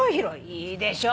いいでしょ。